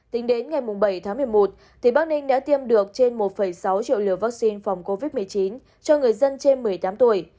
tính đến ngày bảy tháng một mươi một bắc ninh đã tiêm được trên một sáu triệu liều vaccine phòng covid một mươi chín cho người dân trên một mươi tám tuổi